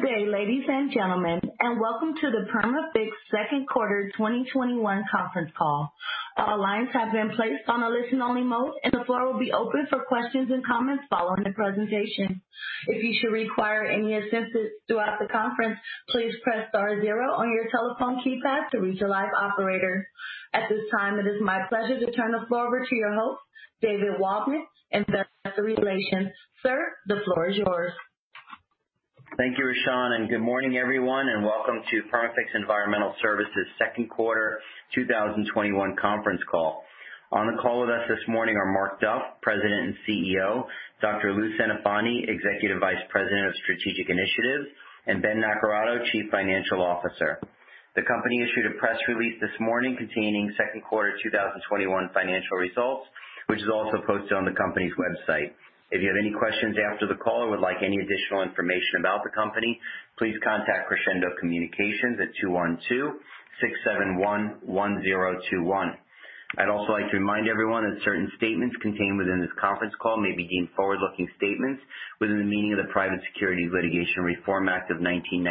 Good day, ladies and gentlemen, and welcome to the Perma-Fix second quarter 2021 conference call. Our lines have been placed on listening only mode and the floor will be open for questions and comments following the presentation. If you should require any assistance throughout the conference, please press star zero on your telephone keypad to reach line operator. At this time, it is my pleasure to turn the floor over to your host, David Waldman, Investor Relations. Sir, the floor is yours. Thank you, Rashan. Good morning, everyone, and welcome to Perma-Fix Environmental Services 2nd quarter 2021 conference call. On the call with us this morning are Mark Duff, President and CEO, Dr. Lou Centofanti, Executive Vice President of Strategic Initiatives, and Ben Naccarato, Chief Financial Officer. The company issued a press release this morning containing second quarter 2021 financial results, which is also posted on the company's website. If you have any questions after the call or would like any additional information about the company, please contact Crescendo Communications at 212-671-1021. I'd also like to remind everyone that certain statements contained within this conference call may be deemed forward-looking statements within the meaning of the Private Securities Litigation Reform Act of 1995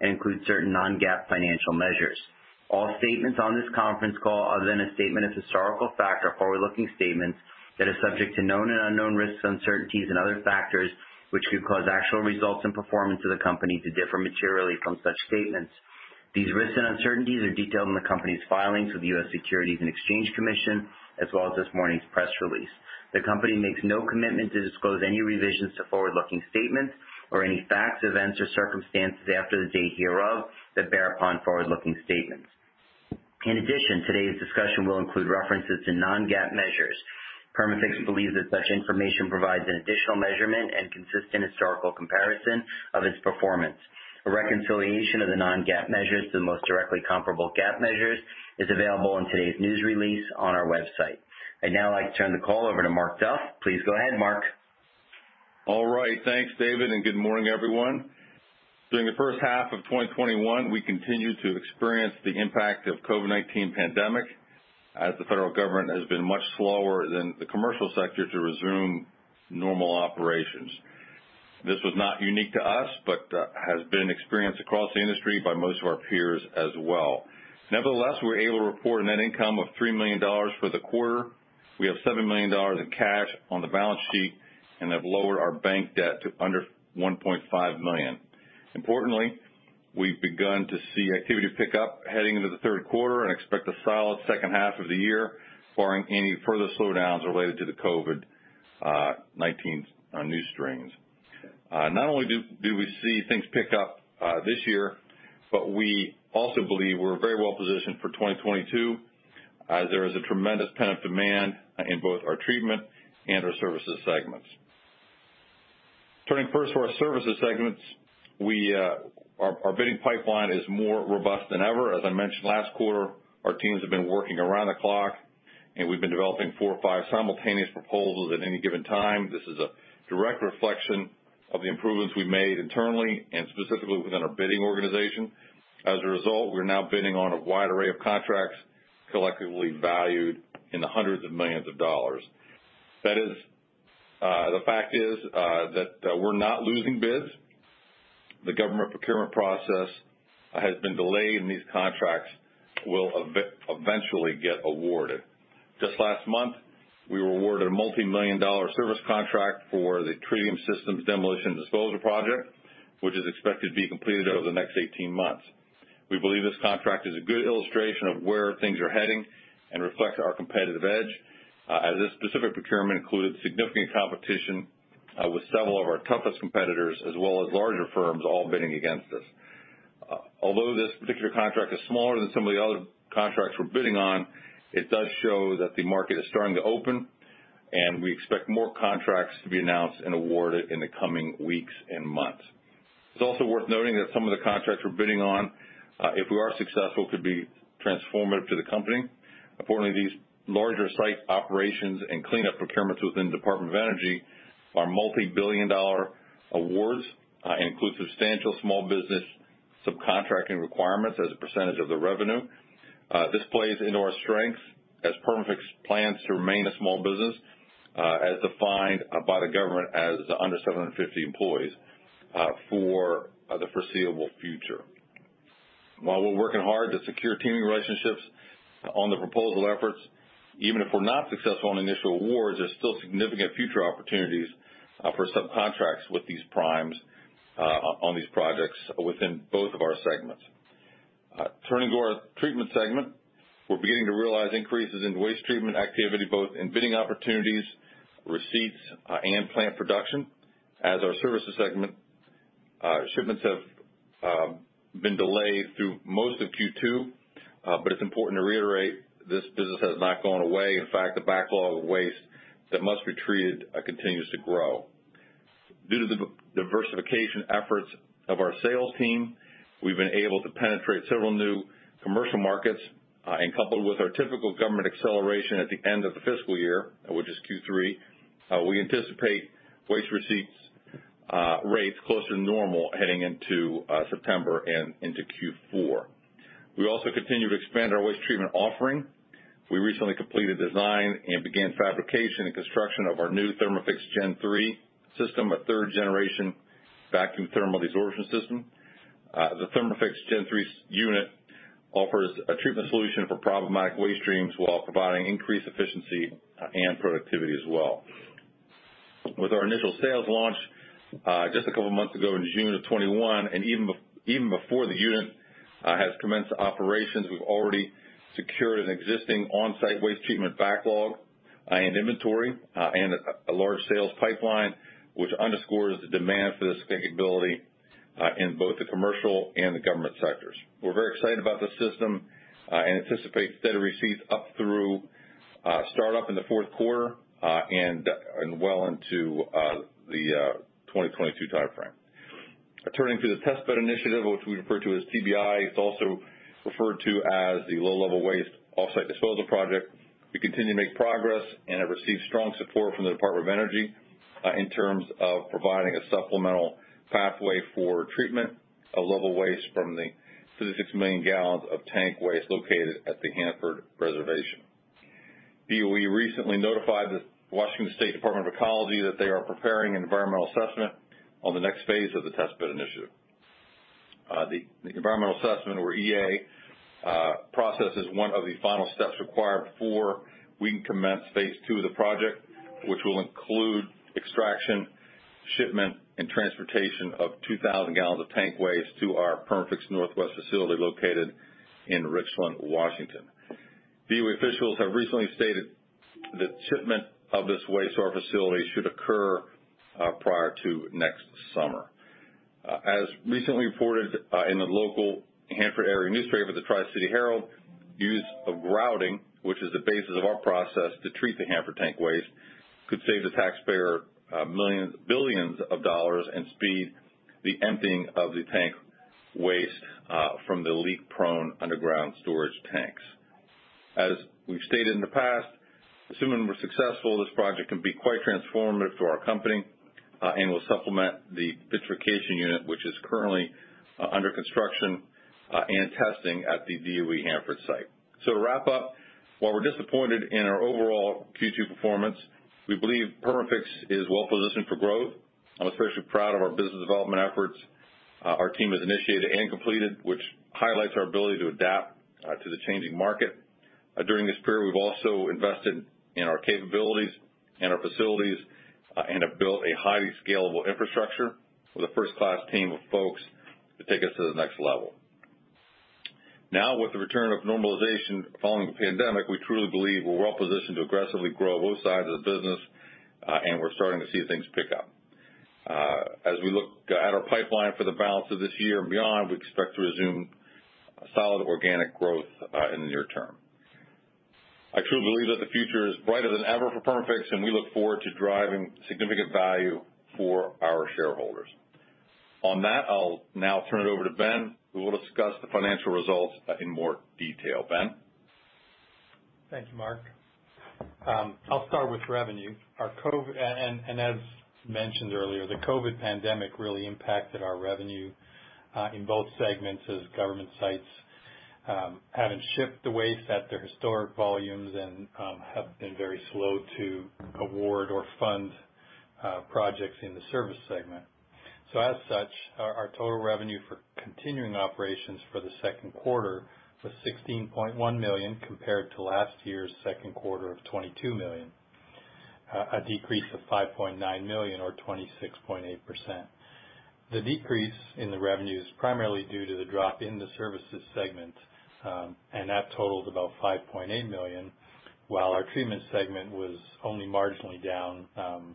and include certain non-GAAP financial measures. All statements on this conference call, other than a statement of historical fact, are forward-looking statements that are subject to known and unknown risks, uncertainties and other factors which could cause actual results and performance of the company to differ materially from such statements. These risks and uncertainties are detailed in the company's filings with the US Securities and Exchange Commission, as well as this morning's press release. The company makes no commitment to disclose any revisions to forward-looking statements or any facts, events, or circumstances after the date hereof that bear upon forward-looking statements. In addition, today's discussion will include references to non-GAAP measures. Perma-Fix believes that such information provides an additional measurement and consistent historical comparison of its performance. A reconciliation of the non-GAAP measures to the most directly comparable GAAP measures is available in today's news release on our website. I'd now like to turn the call over to Mark Duff. Please go ahead, Mark. All right. Thanks, David. Good morning, everyone. During the first half of 2021, we continued to experience the impact of COVID-19 pandemic as the federal government has been much slower than the commercial sector to resume normal operations. This was not unique to us, has been experienced across the industry by most of our peers as well. Nevertheless, we were able to report a net income of $3 million for the quarter. We have $7 million in cash on the balance sheet, have lowered our bank debt to under $1.5 million. Importantly, we've begun to see activity pick up heading into the third quarter, expect a solid second half of the year, barring any further slowdowns related to the COVID-19 new strains. Not only do we see things pick up this year, but we also believe we're very well positioned for 2022, as there is a tremendous pent-up demand in both our treatment and our services segments. Turning first to our services segments, our bidding pipeline is more robust than ever. As I mentioned last quarter, our teams have been working around the clock, and we've been developing four or five simultaneous proposals at any given time. This is a direct reflection of the improvements we've made internally and specifically within our bidding organization. As a result, we're now bidding on a wide array of contracts collectively valued in the hundreds of millions of dollars. The fact is, that we're not losing bids. The government procurement process has been delayed, and these contracts will eventually get awarded. Just last month, we were awarded a multimillion-dollar service contract for the Tritium Systems Demolition and Disposal project, which is expected to be completed over the next 18 months. We believe this contract is a good illustration of where things are heading and reflects our competitive edge, as this specific procurement included significant competition with several of our toughest competitors, as well as larger firms all bidding against us. Although this particular contract is smaller than some of the other contracts we're bidding on, it does show that the market is starting to open, and we expect more contracts to be announced and awarded in the coming weeks and months. It's also worth noting that some of the contracts we're bidding on, if we are successful, could be transformative to the company. Accordingly, these larger site operations and cleanup procurements within Department of Energy are multi-billion dollar awards and include substantial small business subcontracting requirements as a percentage of the revenue. This plays into our strength as Perma-Fix plans to remain a small business, as defined by the government as under 750 employees, for the foreseeable future. While we're working hard to secure teaming relationships on the proposal efforts, even if we're not successful on initial awards, there's still significant future opportunities for subcontracts with these primes on these projects within both of our segments. Turning to our treatment segment, we're beginning to realize increases in waste treatment activity, both in bidding opportunities, receipts, and plant production. As our services segment, shipments have been delayed through most of Q2. It's important to reiterate this business has not gone away. In fact, the backlog of waste that must be treated continues to grow. Due to the diversification efforts of our sales team, we've been able to penetrate several new commercial markets, coupled with our typical government acceleration at the end of the fiscal year, which is Q3, we anticipate waste receipts rates closer to normal heading into September and into Q4. We also continue to expand our waste treatment offering. We recently completed design and began fabrication and construction of our new Therma-Fix Gen3 system, our third generation vacuum thermal desorption system. The Therma-Fix Gen3 unit offers a treatment solution for problematic waste streams while providing increased efficiency and productivity as well. With our initial sales launch just a couple of months ago in June of 2021, and even before the unit has commenced operations, we've already secured an existing on-site waste treatment backlog and inventory, and a large sales pipeline, which underscores the demand for this capability, in both the commercial and the government sectors. We're very excited about this system, and anticipate steady receipts up through startup in the fourth quarter, and well into the 2022 timeframe. Turning to the Test Bed Initiative, which we refer to as TBI. It's also referred to as the Low Level Waste Off-site Disposal Project. We continue to make progress and have received strong support from the Department of Energy in terms of providing a supplemental pathway for treatment of low-level waste from the 36 million gallons of tank waste located at the Hanford reservation. DOE recently notified the Washington State Department of Ecology that they are preparing an environmental assessment on the next phase of the Test Bed Initiative. The environmental assessment, or EA, process is one of the final steps required before we can commence phase 2 of the project, which will include extraction, shipment, and transportation of 2,000 gallons of tank waste to our Perma-Fix Northwest facility located in Richland, Washington. DOE officials have recently stated that shipment of this waste to our facility should occur prior to next summer. As recently reported in the local Hanford area newspaper, the Tri-City Herald, use of grouting, which is the basis of our process to treat the Hanford tank waste, could save the taxpayer billions of dollars and speed the emptying of the tank waste from the leak-prone underground storage tanks. As we've stated in the past, assuming we're successful, this project can be quite transformative to our company, and will supplement the vitrification unit, which is currently under construction and testing at the DOE Hanford Site. To wrap up, while we're disappointed in our overall Q2 performance, we believe Perma-Fix is well positioned for growth. I'm especially proud of our business development efforts our team has initiated and completed, which highlights our ability to adapt to the changing market. During this period, we've also invested in our capabilities and our facilities, and have built a highly scalable infrastructure with a first-class team of folks to take us to the next level. Now, with the return of normalization following the pandemic, we truly believe we're well positioned to aggressively grow both sides of the business, and we're starting to see things pick up. As we look at our pipeline for the balance of this year and beyond, we expect to resume solid organic growth, in the near term. I truly believe that the future is brighter than ever for Perma-Fix, and we look forward to driving significant value for our shareholders. On that, I'll now turn it over to Ben, who will discuss the financial results in more detail. Ben? Thank you, Mark. I'll start with revenue. As mentioned earlier, the COVID-19 pandemic really impacted our revenue, in both segments as government sites haven't shipped the waste at their historic volumes and have been very slow to award or fund projects in the service segment. As such, our total revenue for continuing operations for the second quarter was $16.1 million compared to last year's second quarter of $22 million, a decrease of $5.9 million or 26.8%. The decrease in the revenue is primarily due to the drop in the services segment, and that totals about $5.8 million, while our treatment segment was only marginally down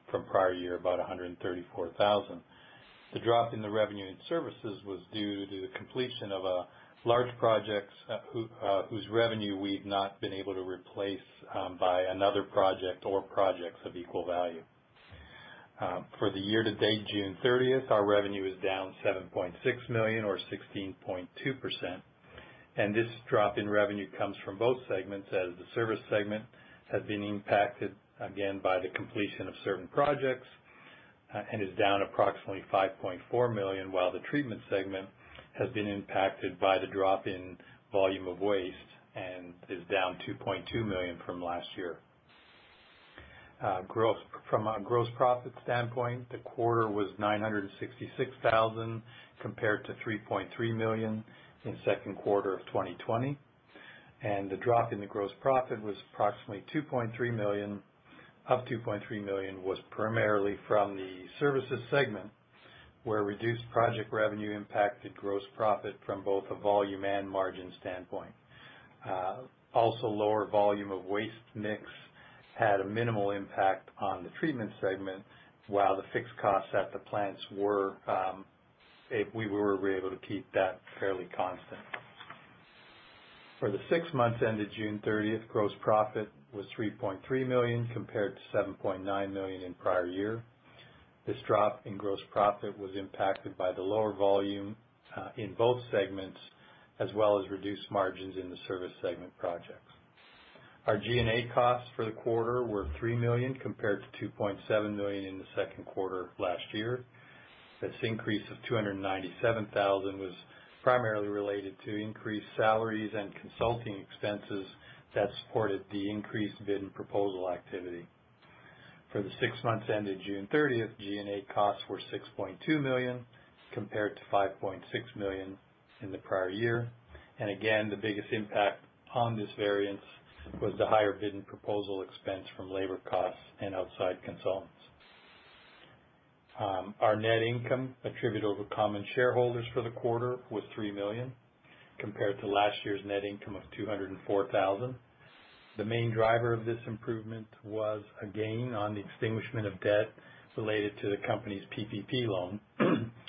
from prior year, about $134,000. The drop in the revenue and services was due to the completion of a large project whose revenue we've not been able to replace by another project or projects of equal value. For the year to date, June 30th, our revenue is down $7.6 million or 16.2%. This drop in revenue comes from both segments as the service segment has been impacted, again, by the completion of certain projects, and is down approximately $5.4 million, while the treatment segment has been impacted by the drop in volume of waste and is down $2.2 million from last year. From a gross profit standpoint, the quarter was $966,000 compared to $3.3 million in second quarter of 2020. The drop in the gross profit was approximately up $2.3 million, was primarily from the services segment, where reduced project revenue impacted gross profit from both a volume and margin standpoint. Also, lower volume of waste mix had a minimal impact on the treatment segment, while the fixed costs at the plants we were able to keep that fairly constant. For the six months ended June 30, gross profit was $3.3 million compared to $7.9 million in prior year. This drop in gross profit was impacted by the lower volume in both segments, as well as reduced margins in the service segment projects. Our G&A costs for the quarter were $3 million compared to $2.7 million in the 2nd quarter of last year. This increase of $297,000 was primarily related to increased salaries and consulting expenses that supported the increased bid and proposal activity. For the six months ended June 30, G&A costs were $6.2 million, compared to $5.6 million in the prior year. Again, the biggest impact on this variance was the higher bid and proposal expense from labor costs and outside consultants. Our net income attributable to common shareholders for the quarter was $3 million, compared to last year's net income of $204,000. The main driver of this improvement was a gain on the extinguishment of debt related to the company's PPP loan,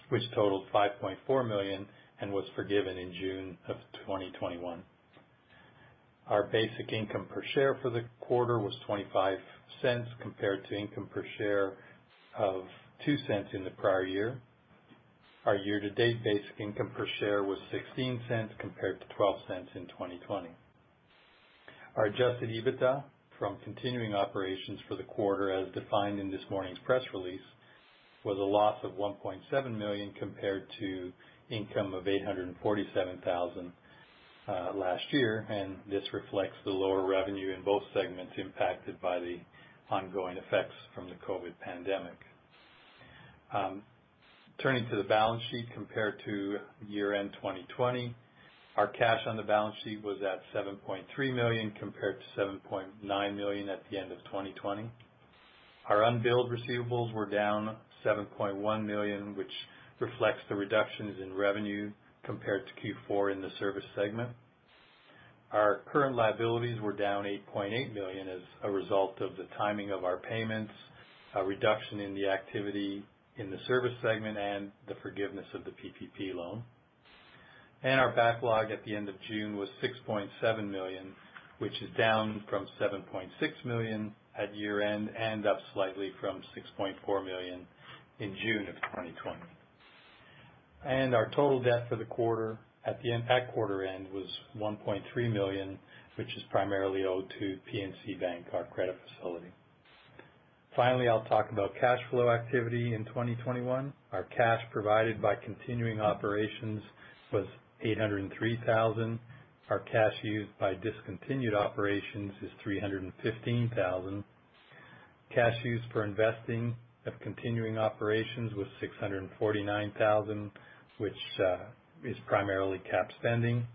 which totaled $5.4 million and was forgiven in June of 2021. Our basic income per share for the quarter was $0.25, compared to income per share of $0.02 in the prior year. Our year-to-date basic income per share was $0.16, compared to $0.12 in 2020. Our adjusted EBITDA from continuing operations for the quarter, as defined in this morning's press release, was a loss of $1.7 million compared to income of $847,000 last year. This reflects the lower revenue in both segments impacted by the ongoing effects from the COVID pandemic. Turning to the balance sheet compared to year-end 2020, our cash on the balance sheet was at $7.3 million, compared to $7.9 million at the end of 2020. Our unbilled receivables were down $7.1 million, which reflects the reductions in revenue compared to Q4 in the service segment. Our current liabilities were down $8.8 million as a result of the timing of our payments, a reduction in the activity in the service segment, and the forgiveness of the PPP loan. Our backlog at the end of June was $6.7 million, which is down from $7.6 million at year-end, and up slightly from $6.4 million in June of 2020. Our total debt for the quarter at quarter end was $1.3 million, which is primarily owed to PNC Bank, our credit facility. Finally, I'll talk about cash flow activity in 2021. Our cash provided by continuing operations was $803,000. Our cash used by discontinued operations is $315,000. Cash used for investing of continuing operations was $649,000, which is primarily cap spending.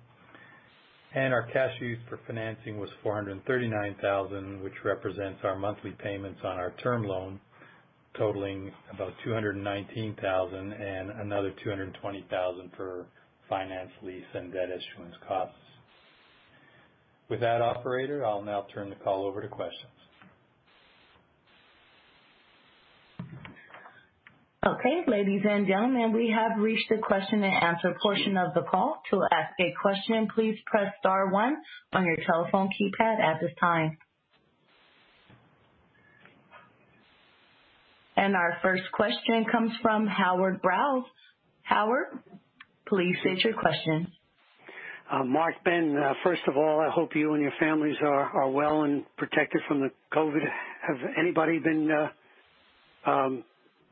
Our cash used for financing was $439,000, which represents our monthly payments on our term loan totaling about $219,000 and another $220,000 for finance lease and debt issuance costs. With that, operator, I'll now turn the call over to questions. Okay, ladies and gentlemen, we have reached the question and answer portion of the call. To ask a question, please press star one on your telephone keypad at this time. Our first question comes from Howard Brous. Howard, please state your question. Mark, Ben, first of all, I hope you and your families are well and protected from the COVID. Has anybody been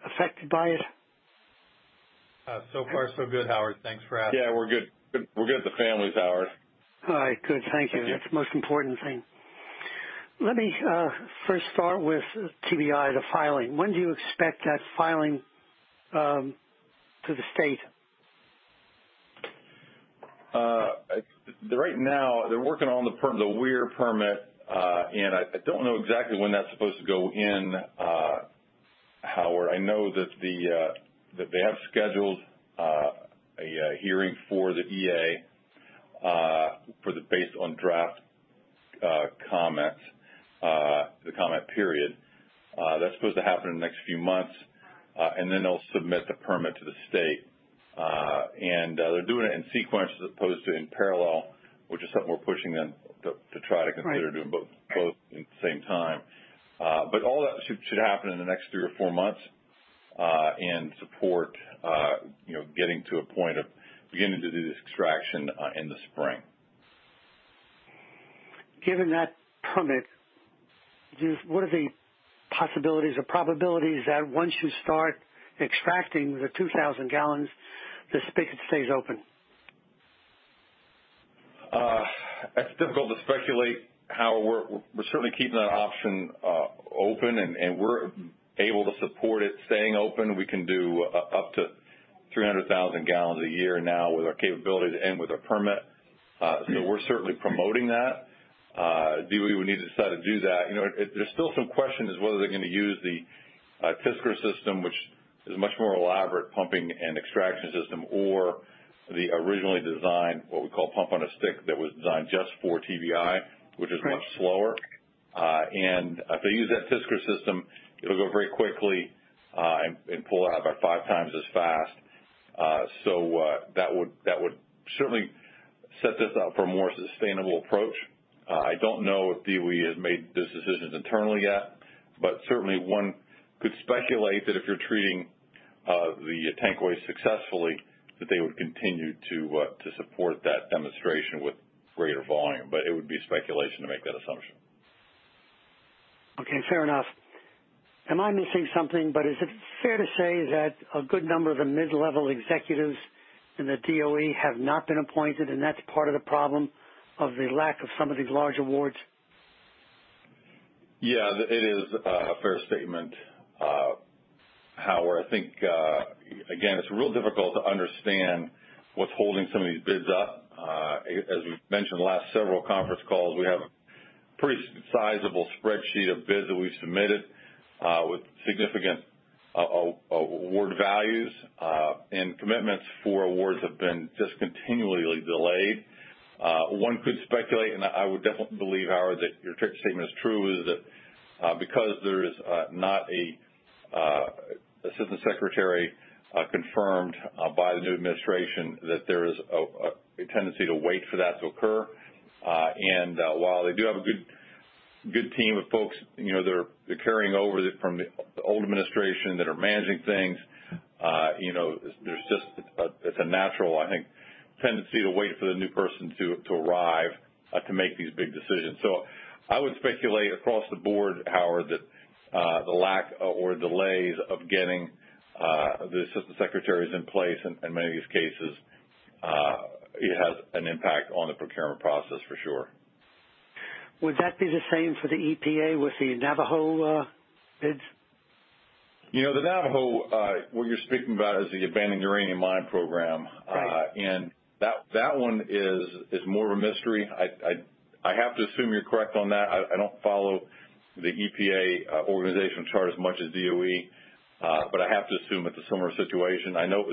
affected by it? Far so good, Howard. Thanks for asking. Yeah, we're good. We're good at the family, Howard. All right, good. Thank you. Thank you. That's the most important thing. Let me first start with TBI, the filing. When do you expect that filing to the state? Right now, they're working on the RD&D permit, and I don't know exactly when that's supposed to go in, Howard. I know that they have scheduled a hearing for the EA based on draft comment, the comment period. That's supposed to happen in the next few months, and then they'll submit the permit to the state. They're doing it in sequence as opposed to in parallel, which is something we're pushing them to try to consider- Right Doing both at the same time. All that should happen in the next three or four months, and support getting to a point of beginning to do the extraction in the spring. Given that permit, what are the possibilities or probabilities that once you start extracting the 2,000 gallons, the spigot stays open? It's difficult to speculate, Howard. We're certainly keeping that option open, and we're able to support it staying open. We can do up to 300,000 gallons a year now with our capability and with our permit. We're certainly promoting that. DOE would need to decide to do that. There's still some question as to whether they're going to use the Fisker system, which is much more elaborate pumping and extraction system, or the originally designed, what we call pump on a stick, that was designed just for TBI, which is much slower. Right. If they use that Fisker system, it'll go very quickly, and pull out about 5 times as fast. That would certainly set this up for a more sustainable approach. I don't know if DOE has made those decisions internally yet, but certainly one could speculate that if you're treating the Tankoids successfully, that they would continue to support that demonstration with greater volume. It would be speculation to make that assumption. Okay, fair enough. Am I missing something, but is it fair to say that a good number of the mid-level executives in the DOE have not been appointed, and that's part of the problem of the lack of some of these large awards? Yeah. It is a fair statement, Howard. I think, again, it's real difficult to understand what's holding some of these bids up. As we've mentioned the last several conference calls, we have a pretty sizable spreadsheet of bids that we've submitted, with significant award values, and commitments for awards have been just continually delayed. One could speculate, and I would definitely believe, Howard, that your statement is true, is that because there is not a assistant secretary confirmed by the new administration, that there is a tendency to wait for that to occur. While they do have a good team of folks that are carrying over from the old administration that are managing things, there's just a natural, I think, tendency to wait for the new person to arrive to make these big decisions. I would speculate across the board, Howard, that the lack or delays of getting the assistant secretaries in place in many of these cases, it has an impact on the procurement process for sure. Would that be the same for the EPA with the Navajo bids? The Navajo, what you're speaking about is the Abandoned Uranium Mine program. Right. That one is more of a mystery. I have to assume you're correct on that. I don't follow the EPA organization chart as much as DOE, but I have to assume it's a similar situation. I know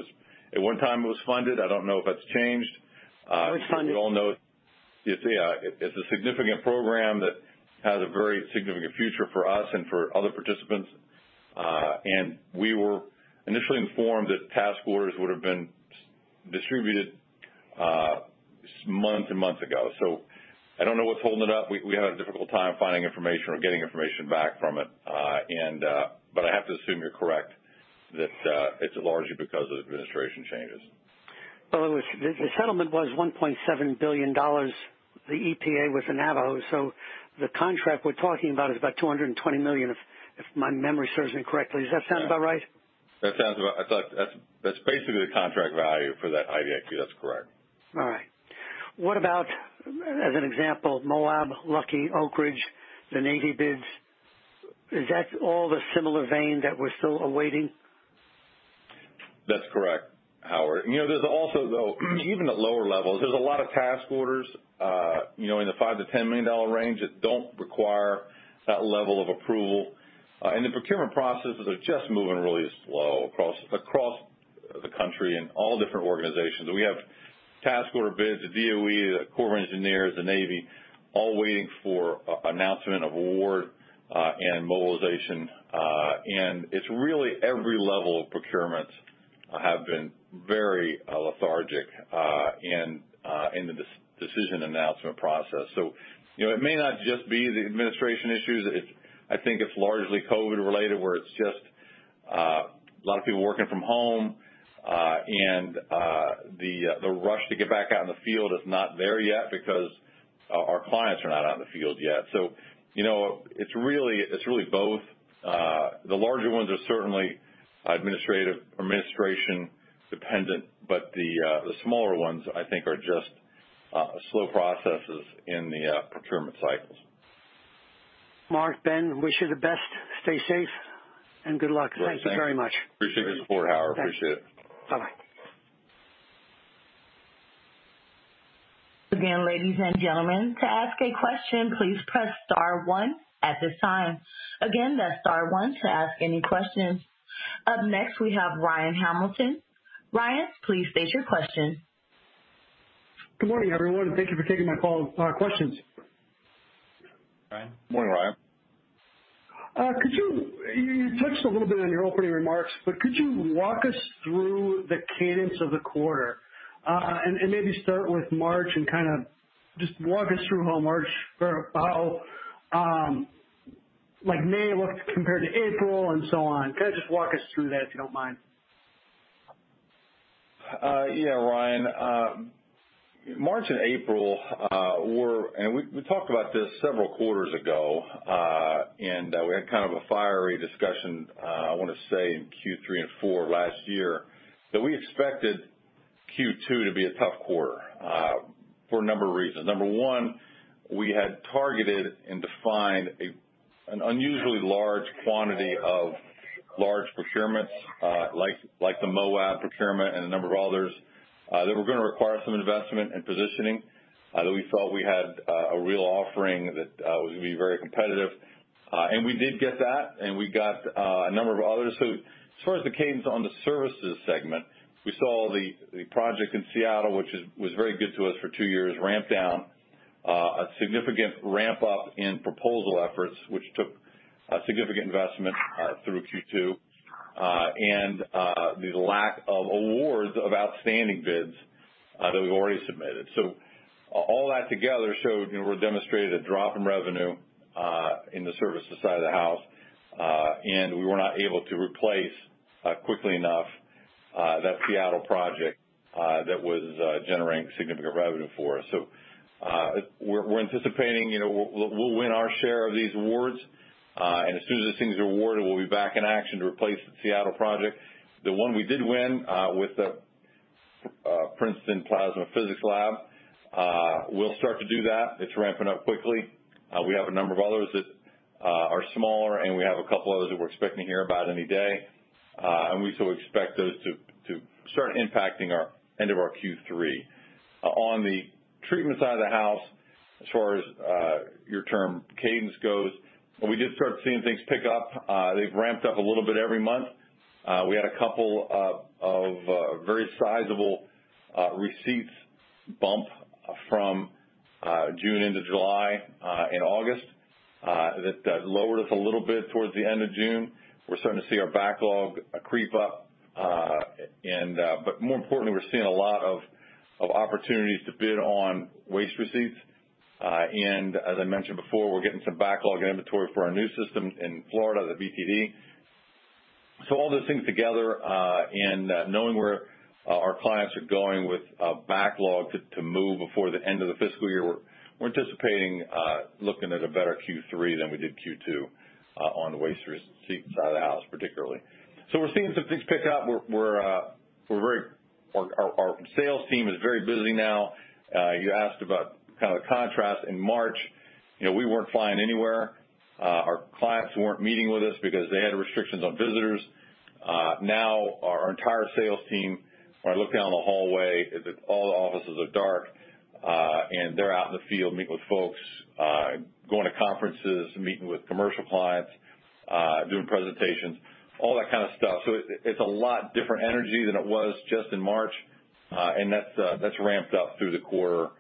at one time it was funded. I don't know if that's changed. It was funded. We all know it's a significant program that has a very significant future for us and for other participants. We were initially informed that task orders would've been distributed months and months ago. I don't know what's holding it up. We had a difficult time finding information or getting information back from it. I have to assume you're correct, that it's largely because of administration changes. Well, the settlement was $1.7 billion, the EPA with the Navajo. The contract we're talking about is about $220 million, if my memory serves me correctly. Does that sound about right? That's basically the contract value for that IDIQ. That's correct. All right. What about, as an example, Moab, Luckey, Oak Ridge, the Navy bids? Is that all the similar vein that we're still awaiting? That's correct, Howard. There's also, though, even at lower levels, there's a lot of task orders in the $5 million-$10 million range that don't require that one level of approval. The procurement processes are just moving really slow across the country in all different organizations. We have task order bids at DOE, the Corps of Engineers, the Navy, all waiting for announcement of award and mobilization. It's really every level of procurements have been very lethargic in the decision announcement process. It may not just be the administration issues. I think it's largely COVID related, where it's just a lot of people working from home. The rush to get back out in the field is not there yet because our clients are not out in the field yet. It's really both. The larger ones are certainly administration dependent, but the smaller ones, I think, are just slow processes in the procurement cycles. Mark, Ben, wish you the best. Stay safe, and good luck. Thanks. Thank you very much. Appreciate your support, Howard. Appreciate it. Bye-bye. Again ladies and gentlemen, to ask your question please press star one at this time. Up next, we have Ryan Hamilton. Ryan, please state your question. Good morning, everyone, and thank you for taking my questions. Ryan. Morning, Ryan. You touched a little bit in your opening remarks, but could you walk us through the cadence of the quarter? Maybe start with March and kind of just walk us through how March fared about, like May looked compared to April and so on. Kind of just walk us through that, if you don't mind. Yeah, Ryan. We talked about this several quarters ago. We had kind of a fiery discussion, I want to say, in Q3 and Q4 last year, that we expected Q2 to be a tough quarter for a number of reasons. Number one, we had targeted and defined an unusually large quantity of large procurements, like the Moab procurement and a number of others, that were going to require some investment and positioning, that we thought we had a real offering that was going to be very competitive. We did get that, and we got a number of others. As far as the cadence on the services segment, we saw the project in Seattle, which was very good to us for two years, ramp down. A significant ramp up in proposal efforts, which took a significant investment through Q2. The lack of awards of outstanding bids that we've already submitted. All that together showed, we demonstrated a drop in revenue in the services side of the house, and we were not able to replace quickly enough that Seattle project that was generating significant revenue for us. We're anticipating we'll win our share of these awards. As soon as those things are awarded, we'll be back in action to replace the Seattle project. The one we did win with the Princeton Plasma Physics Laboratory, we'll start to do that. It's ramping up quickly. We have a number of others that are smaller, and we have a couple others that we're expecting to hear about any day. We still expect those to start impacting our end of our Q3. On the treatment side of the house, as far as your term cadence goes, we did start seeing things pick up. They've ramped up a little bit every month. We had a couple of very sizable receipts bump from June into July and August. That lowered us a little bit towards the end of June. We're starting to see our backlog creep up. More importantly, we're seeing a lot of opportunities to bid on waste receipts. As I mentioned before, we're getting some backlog inventory for our new system in Florida, the VTD. All those things together, and knowing where our clients are going with a backlog to move before the end of the fiscal year, we're anticipating looking at a better Q3 than we did Q2 on the waste receipt side of the house, particularly. We're seeing some things pick up. Our sales team is very busy now. You asked about the contrast. In March, we weren't flying anywhere. Our clients weren't meeting with us because they had restrictions on visitors. Now our entire sales team, when I look down the hallway, all the offices are dark, and they're out in the field meeting with folks, going to conferences, meeting with commercial clients, doing presentations, all that kind of stuff. It's a lot different energy than it was just in March. That's ramped up through the quarter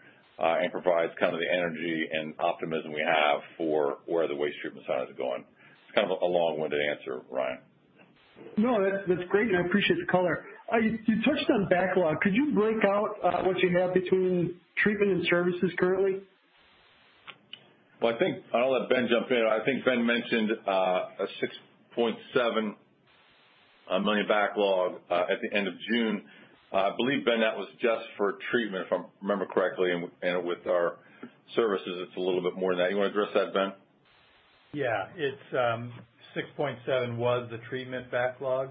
and provides the energy and optimism we have for where the waste treatment side is going. It's kind of a long-winded answer, Ryan. No, that's great. I appreciate the color. You touched on backlog. Could you break out what you have between treatment and services currently? Well, I think I'll let Ben jump in. I think Ben mentioned a $6.7 million backlog at the end of June. I believe, Ben, that was just for treatment, if I remember correctly, and with our services, it's a little bit more than that. You want to address that, Ben? Yeah. It's $6.7 was the treatment backlog.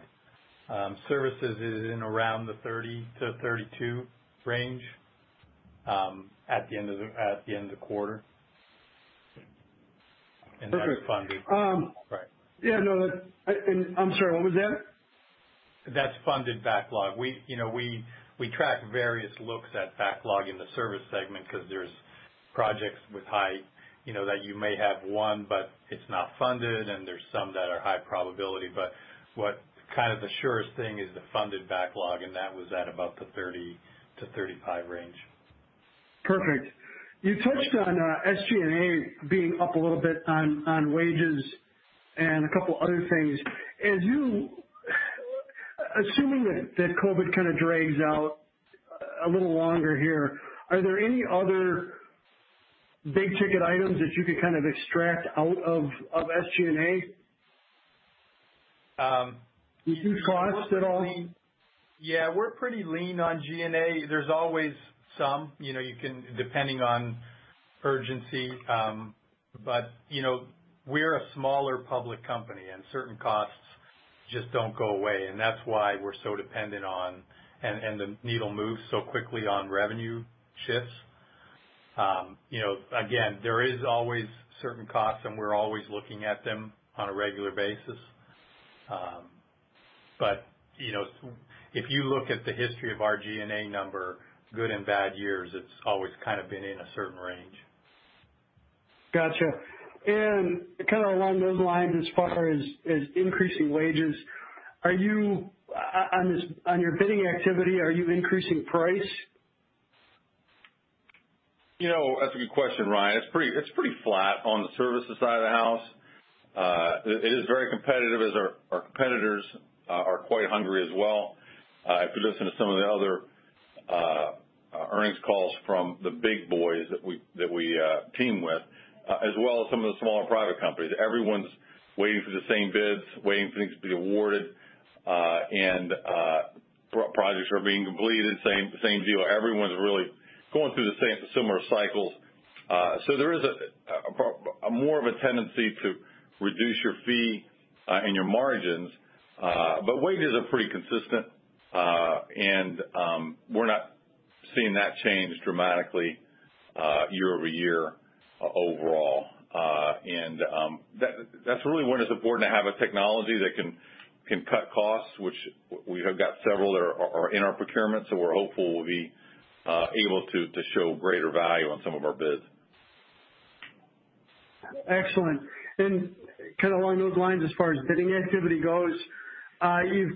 Services is in around the $30-$32 range at the end of the quarter. Perfect. That's funded. Right. Yeah, no. I'm sorry, what was that? That's funded backlog. We track various looks at backlog in the service segment because there's projects that you may have one, but it's not funded, and there's some that are high probability. What the surest thing is the funded backlog, and that was at about the $30 million-$35 million range. Perfect. You touched on SG&A being up a little bit on wages and a couple other things. Assuming that COVID drags out a little longer here, are there any other big-ticket items that you could extract out of SG&A? Do you do costs at all? Yeah. We're pretty lean on G&A. There's always some, depending on urgency. We're a smaller public company, and certain costs just don't go away. That's why we're so dependent on, and the needle moves so quickly on revenue shifts. Again, there is always certain costs, and we're always looking at them on a regular basis. If you look at the history of our G&A number, good and bad years, it's always been in a certain range. Got you. Along those lines, as far as increasing wages, on your bidding activity, are you increasing price? That's a good question, Ryan. It's pretty flat on the services side of the house. It is very competitive as our competitors are quite hungry as well. If you listen to some of the other earnings calls from the big boys that we team with, as well as some of the smaller private companies, everyone's waiting for the same bids, waiting for things to be awarded, and projects are being completed. Same deal. Everyone's really going through the similar cycles. There is more of a tendency to reduce your fee and your margins. Wages are pretty consistent. We're not seeing that change dramatically year-over-year overall. That's really when it's important to have a technology that can cut costs, which we have got several that are in our procurement. We're hopeful we'll be able to show greater value on some of our bids. Excellent. Along those lines, as far as bidding activity goes,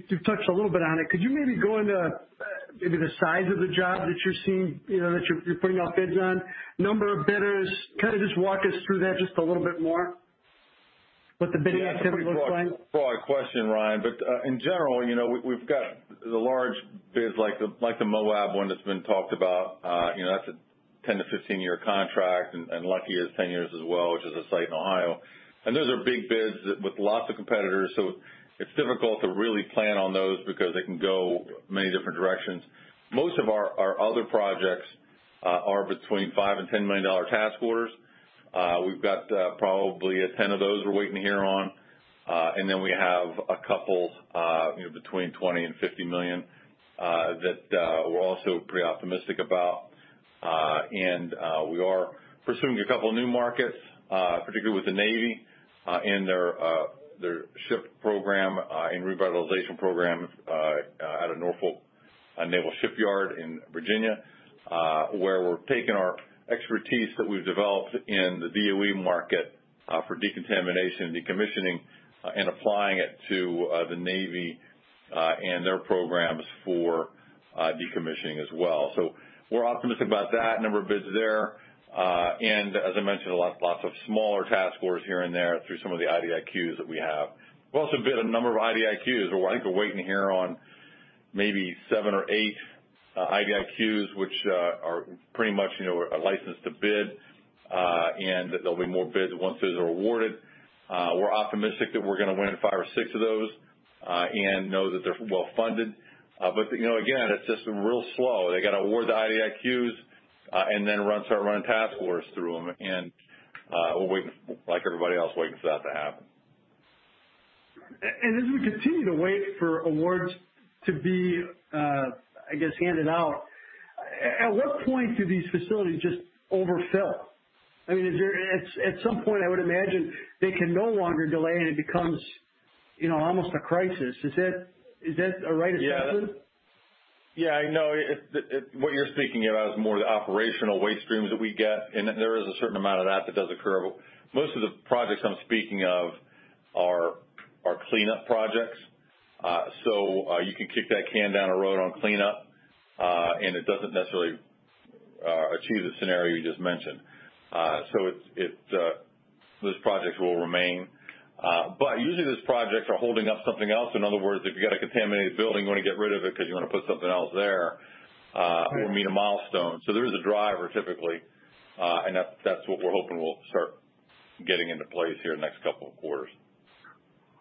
you've touched a little bit on it. Could you maybe go into maybe the size of the job that you're seeing, that you're putting out bids on? Number of bidders? Just walk us through that just a little bit more. What the bidding activity looks like? Yeah, it's a pretty broad question, Ryan. In general, we've got the large bids like the Moab one that's been talked about. That's a 10-15-year contract, and Luckey is 10 years as well, which is a site in Ohio. Those are big bids with lots of competitors, it's difficult to really plan on those because they can go many different directions. Most of our other projects are between $5 million-$10 million task orders. We've got probably 10 of those we're waiting to hear on. We have a couple between $20 million-$50 million that we're also pretty optimistic about. We are pursuing a couple new markets, particularly with the Navy in their ship program and revitalization program out of Norfolk Naval Shipyard in Virginia, where we're taking our expertise that we've developed in the DOE market for decontamination and decommissioning and applying it to the Navy and their programs for decommissioning as well. We're optimistic about that, a number of bids there. As I mentioned, lots of smaller task orders here and there through some of the IDIQs that we have. We've also bid a number of IDIQs. I think we're waiting to hear on maybe seven or eight IDIQs, which are pretty much a license to bid. There'll be more bids once those are awarded. We're optimistic that we're going to win five or six of those and know that they're well-funded. Again, it's just real slow. They've got to award the IDIQs and then start running task orders through them. We're waiting, like everybody else, waiting for that to happen. As we continue to wait for awards to be, I guess, handed out, at what point do these facilities just overfill? I mean, at some point, I would imagine they can no longer delay, and it becomes almost a crisis. Is that a right assumption? Yeah, I know. What you're thinking about is more the operational waste streams that we get, and there is a certain amount of that that does occur. Most of the projects I'm speaking of are cleanup projects. You can kick that can down a road on cleanup, and it doesn't necessarily achieve the scenario you just mentioned. Those projects will remain. Usually, those projects are holding up something else. In other words, if you've got a contaminated building, you want to get rid of it because you want to put something else there or meet a milestone. There is a driver, typically, and that's what we're hoping will start getting into place here in the next couple of quarters.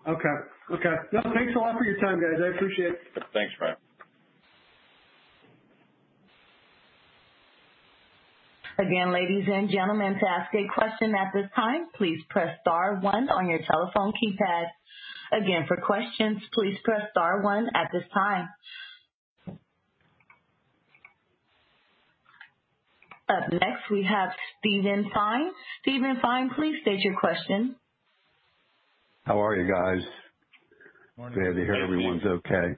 Okay. No, thanks a lot for your time, guys. I appreciate it. Thanks, Ryan. Again ladies and gentlemen to ask a question at this time please press star one on your telephone keypad. Up next, we have Steven Fine. Steven Fine, please state your question. How are you guys? Morning. Glad to hear everyone's okay.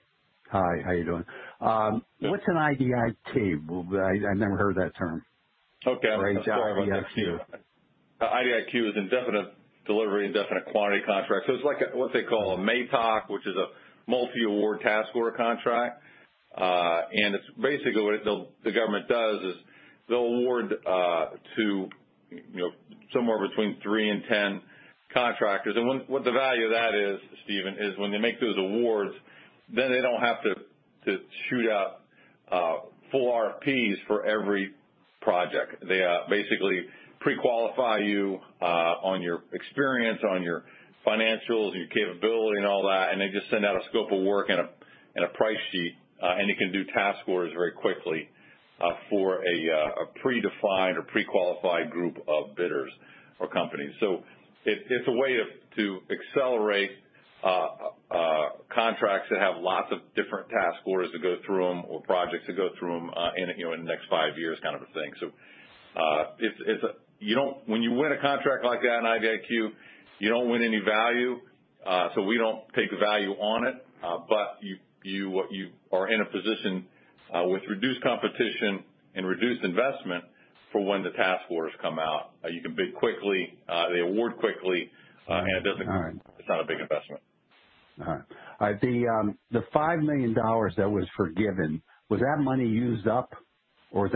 Hi, how are you doing? What's an IDIQ? I never heard that term. Okay. IDIQ. IDIQ is Indefinite Delivery, Indefinite Quantity contract. It's like what they call a MATOC, which is a Multi-Award Task Order Contract. Basically, what the government does is they'll award to somewhere between three and 10 contractors. What the value of that is, Steven, is when they make those awards, then they don't have to shoot out full RFPs for every project. They basically pre-qualify you on your experience, on your financials, your capability and all that, and they just send out a scope of work and a price sheet, and you can do task orders very quickly for a predefined or pre-qualified group of bidders or companies. It's a way to accelerate contracts that have lots of different task orders to go through them or projects to go through them in the next five years kind of a thing. When you win a contract like that, an IDIQ, you don't win any value. We don't take value on it. You are in a position with reduced competition and reduced investment for when the task orders come out. You can bid quickly, they award quickly. All right. it's not a big investment. All right. The $5 million that was forgiven, was that money used up? Is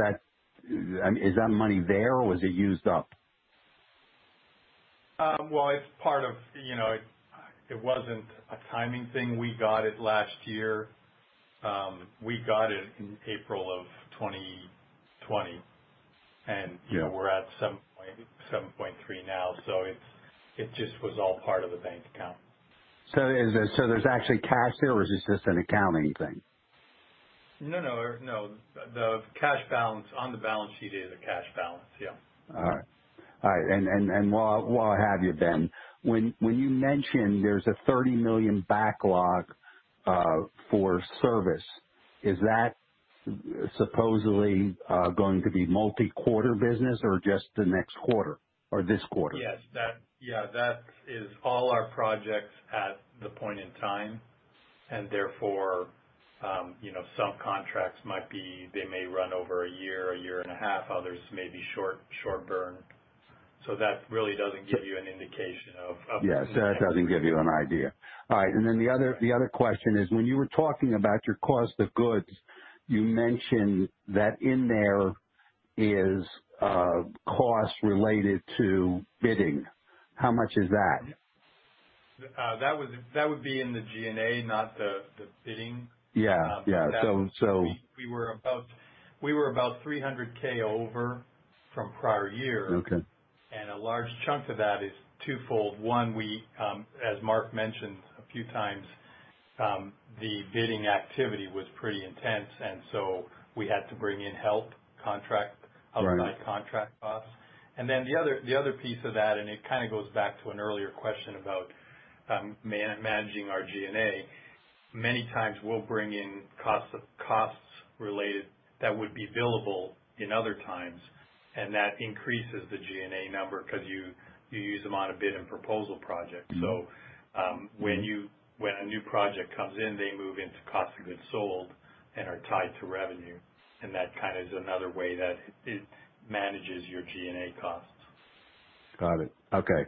that money there, or was it used up? Well, it wasn't a timing thing. We got it last year. We got it in April of 2020, and we're at $7.3 now. It just was all part of the bank account. There's actually cash there, or is this an accounting thing? No. The cash balance on the balance sheet is a cash balance, yeah. All right. While I have you, Ben, when you mention there's a $30 million backlog for service, is that supposedly going to be multi-quarter business or just the next quarter or this quarter? Yes. That is all our projects at the point in time, and therefore, some contracts might be, they may run over a year, a year and a half, others may be short burn. That really doesn't give you an indication of. Yes. That doesn't give you an idea. All right. The other question is, when you were talking about your cost of goods, you mentioned that there is cost related to bidding. How much is that? That would be in the G&A, not the bidding. Yeah. We were about $300 thousand over from prior year. Okay. A large chunk of that is twofold. One, as Mark mentioned a few times, the bidding activity was pretty intense, we had to bring in help, outside contract costs. The other piece of that, and it kind of goes back to an earlier question about managing our G&A. Many times we'll bring in costs related that would be billable in other times, and that increases the G&A number because you use them on a bid and proposal project. When a new project comes in, they move into cost of goods sold and are tied to revenue. That kind of is another way that it manages your G&A costs. Got it. Okay.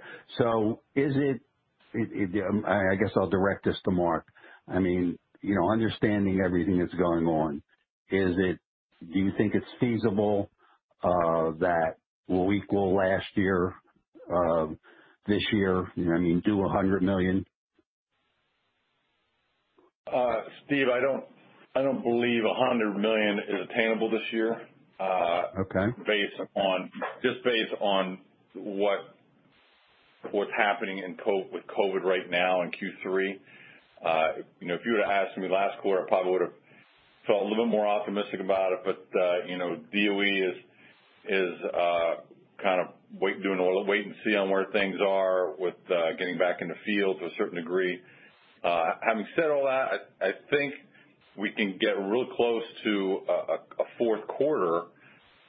I guess I'll direct this to Mark. Understanding everything that's going on, do you think it's feasible that we equal last year, this year? Do $100 million? Steve, I don't believe $100 million is attainable this year. Okay. Based on what's happening with COVID right now in Q3. You would've asked me last quarter, I probably would've felt a little bit more optimistic about it, but DOE is kind of doing a wait and see on where things are with getting back in the field to a certain degree. Having said all that, I think we can get real close to a fourth quarter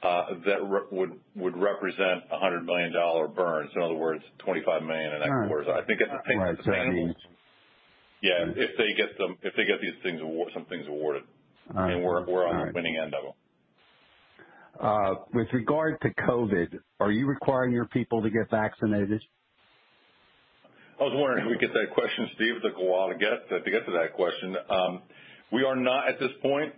that would represent $100 million burn. In other words, $25 million in that quarter. Right. I think it's attainable. Yeah. If they get some things awarded. All right. We're on the winning end of them. With regard to COVID, are you requiring your people to get vaccinated? I was wondering if we'd get that question, Steve. It took a while to get to that question. We are not at this point.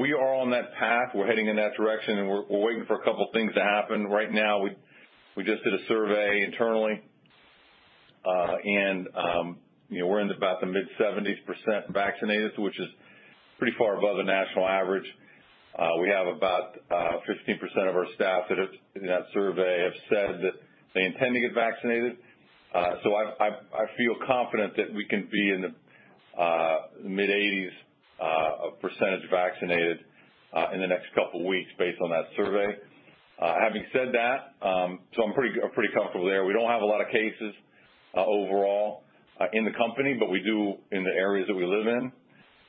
We are on that path. We're heading in that direction, and we're waiting for a couple things to happen. Right now, we just did a survey internally, and we're in about the mid-70% vaccinated, which is pretty far above the national average. We have about 15% of our staff that in that survey have said that they intend to get vaccinated. I feel confident that we can be in the mid-80s% vaccinated in the next couple weeks based on that survey. Having said that, I'm pretty comfortable there. We don't have a lot of cases overall in the company, but we do in the areas that we live in.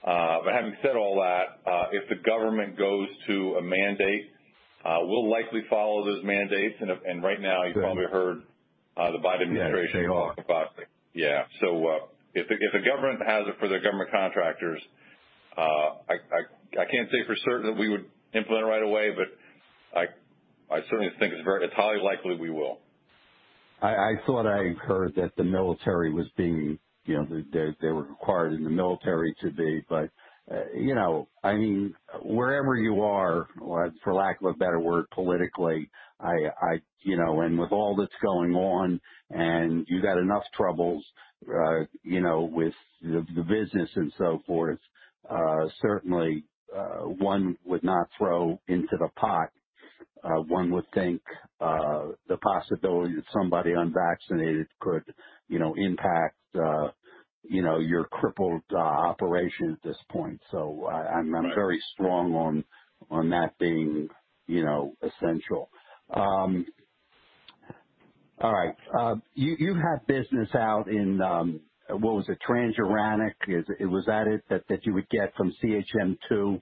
Having said all that, if the government goes to a mandate, we'll likely follow those mandates. Right now, you've probably heard the Biden administration. Yeah, they are. Yeah. If the government has it for their government contractors, I can't say for certain that we would implement right away, but I certainly think it's highly likely we will. I thought I incurred that they were required in the military to be, but wherever you are, for lack of a better word, politically, and with all that's going on, and you got enough troubles with the business and so forth. Certainly, one would not throw into the pot, one would think, the possibility that somebody unvaccinated could impact your crippled operation at this point. I'm very strong on that being essential. All right. You have business out in, what was it, transuranic? Was that it, that you would get from CH2M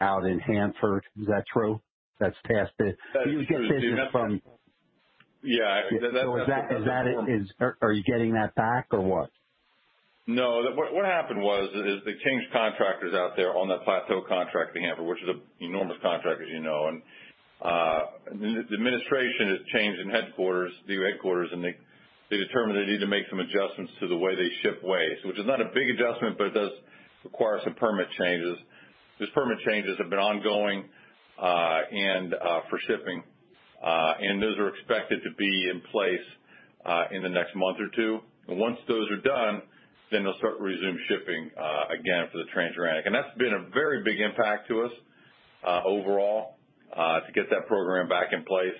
out in Hanford? Is that true? That's past it. That is true. You get business from. Yeah. Are you getting that back or what? No. What happened was, is they changed contractors out there on that plateau contract at Hanford, which is an enormous contract, as you know. The administration has changed in headquarters, new headquarters, and they determined they need to make some adjustments to the way they ship waste, which is not a big adjustment, but it does require some permit changes. These permit changes have been ongoing for shipping. Those are expected to be in place in the next month or two. Once those are done, they'll start to resume shipping again for the Transuranic. That's been a very big impact to us overall, to get that program back in place.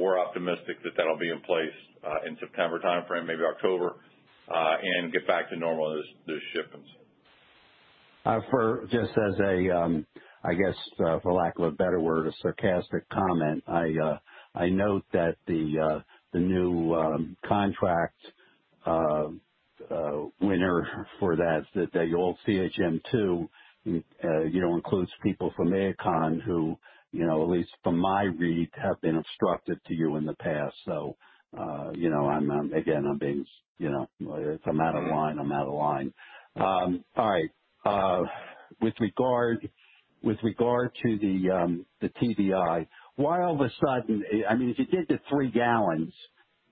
We're optimistic that that'll be in place in September timeframe, maybe October, and get back to normal those shipments. Just as a, I guess, for lack of a better word, a sarcastic comment. I note that the new contract winner for that, the old CH2M includes people from AECOM who, at least from my read, have been obstructive to you in the past. If I'm out of line, I'm out of line. All right. With regard to the TBI, why all of a sudden? If you did the three gallons,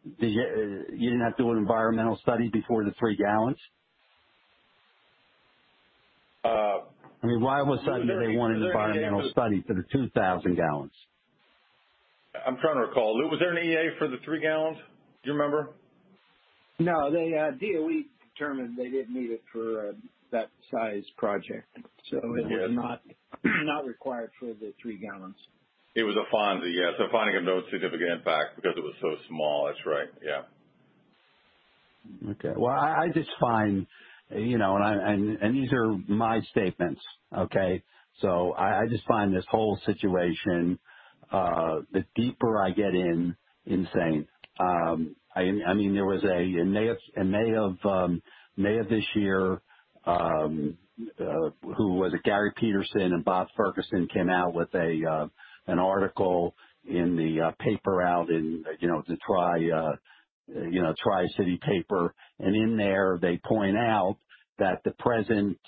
you did not do an environmental study before the three gallons? I mean, why all of a sudden do they want an environmental study for the 2,000 gallons? I'm trying to recall. Lou, was there an EA for the three gallons? Do you remember? No. DOE determined they didn't need it for that size project, it is not required for the three gallons. It was a FONSI, yes. A Finding of No Significant Impact because it was so small. That's right, yeah. Okay. Well, I just find, and these are my statements. I just find this whole situation, the deeper I get in, insane. There was, in May of this year, was it Gary Petersen and Bob Ferguson came out with an article in the paper out in the Tri-City paper. In there, they point out that the present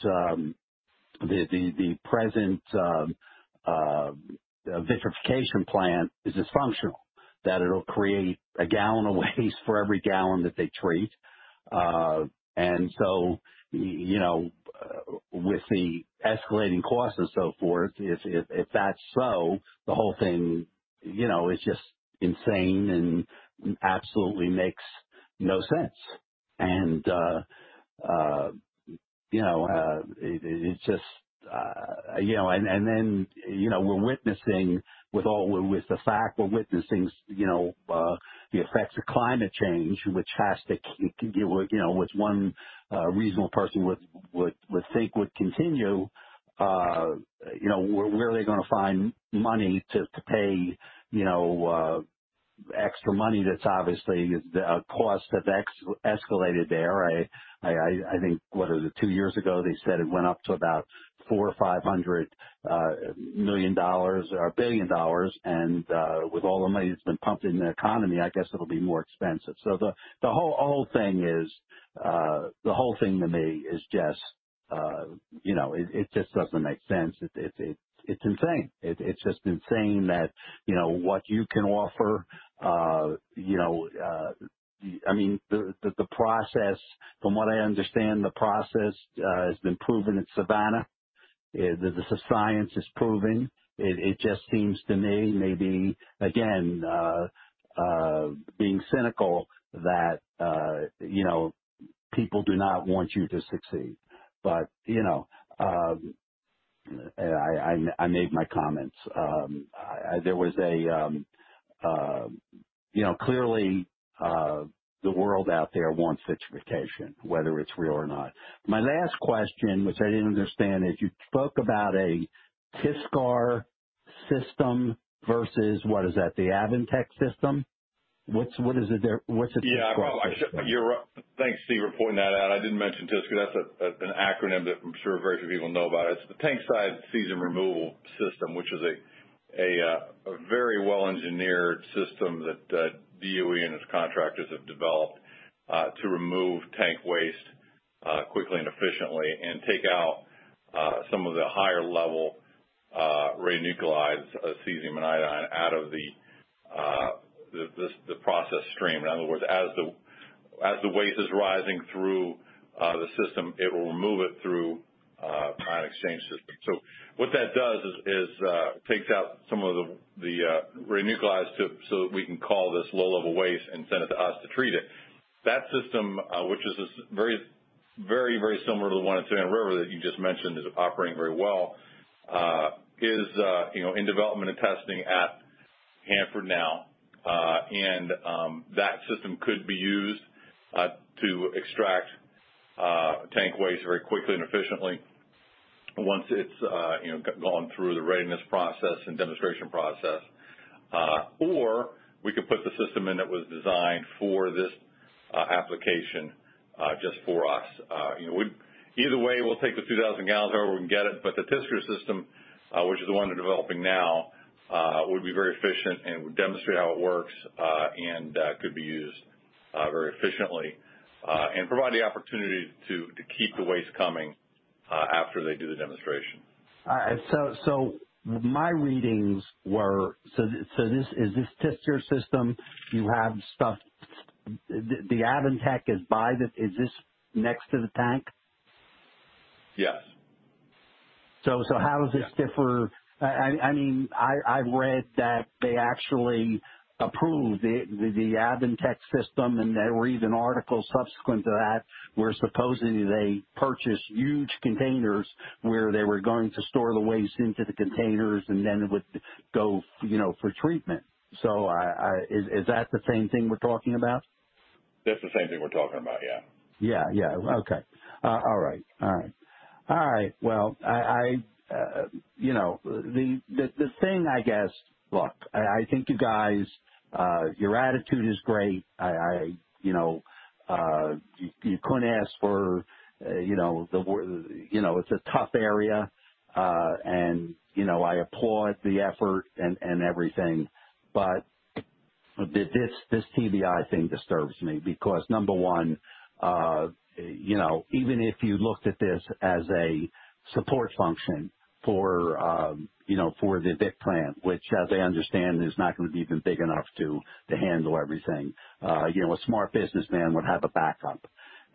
vitrification plant is dysfunctional, that it'll create a gallon of waste for every gallon that they treat. With the escalating costs and so forth, if that's so, the whole thing, it's just insane and absolutely makes no sense. We're witnessing the effects of climate change, which one reasonable person would think would continue. Where are they going to find money to pay extra money that's obviously, the cost has escalated there? I think, what is it, two years ago, they said it went up to about $400 million or $500 million or $1 billion. With all the money that's been pumped in the economy, I guess it'll be more expensive. The whole thing to me just doesn't make sense. It's insane. It's just insane what you can offer. From what I understand, the process has been proven in Savannah. The science is proven. It just seems to me, maybe, again, being cynical, that people do not want you to succeed. I made my comments. Clearly, the world out there wants vitrification, whether it's real or not. My last question, which I didn't understand, is you spoke about a TSCR system versus, what is that? The AVANTech system? What's a TSCR system? Thanks, Steven, for pointing that out. I didn't mention TSCR. That's an acronym that I'm sure very few people know about. It's the Tank Side Cesium Removal system, which is a very well-engineered system that DOE and its contractors have developed, to remove tank waste quickly and efficiently and take out some of the higher level radionuclides of cesium and iodine out of the process stream. In other words, as the waste is rising through the system, it will remove it through an ion exchange system. What that does is takes out some of the radionuclides so that we can call this low-level waste and send it to us to treat it. That system, which is very similar to the one at Savannah River that you just mentioned, is operating very well, is in development and testing at Hanford now. That system could be used to extract tank waste very quickly and efficiently once it is gone through the readiness process and demonstration process. We could put the system in that was designed for this application, just for us. Either way, we will take the 2,000 gallons however we can get it, the TSCR system, which is the one they are developing now, would be very efficient and would demonstrate how it works, and could be used very efficiently, and provide the opportunity to keep the waste coming, after they do the demonstration. My readings were, is this TSCR system next to the tank? Yes. How does this differ? I've read that they actually approved the AVANTech system, and I read an article subsequent to that where supposedly they purchased huge containers where they were going to store the waste into the containers, and then it would go for treatment. Is that the same thing we're talking about? That's the same thing we're talking about, yeah. Okay. All right. I guess I think you guys, your attitude is great. It's a tough area, and I applaud the effort and everything. This TBI thing disturbs me because number one, even if you looked at this as a support function for the Vit Plant, which as I understand, is not going to be even big enough to handle everything. A smart businessman would have a backup.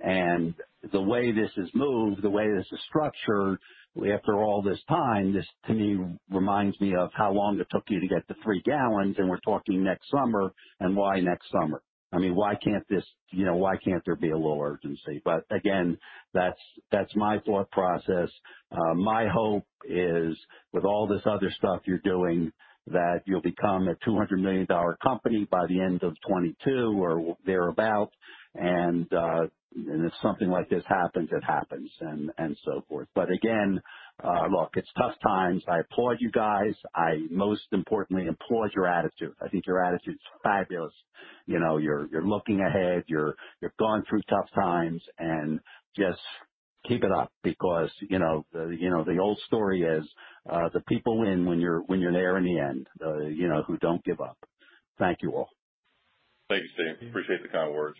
The way this has moved, the way this is structured after all this time, this to me, reminds me of how long it took you to get to three gallons, and we're talking next summer. Why next summer? I mean, why can't there be a little urgency? Again, that's my thought process. My hope is with all this other stuff you're doing, that you'll become a $200 million company by the end of 2022 or thereabout, and, if something like this happens, it happens, and so forth. Again, look, it's tough times. I applaud you guys. I most importantly applaud your attitude. I think your attitude's fabulous. You're looking ahead. You've gone through tough times, and just keep it up because the old story is, the people win when you're there in the end, who don't give up. Thank you all. Thank you, Steve. I appreciate the kind words.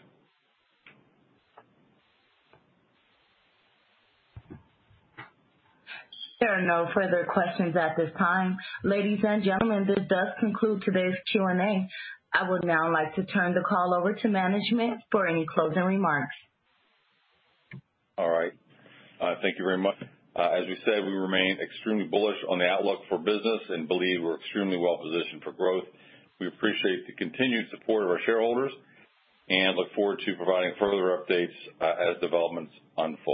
There are no further questions at this time. Ladies and gentlemen, this does conclude today's Q&A. I would now like to turn the call over to management for any closing remarks. All right. Thank you very much. As we said, we remain extremely bullish on the outlook for business and believe we're extremely well positioned for growth. We appreciate the continued support of our shareholders and look forward to providing further updates as developments unfold.